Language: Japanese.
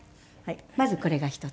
まずこれが一つ。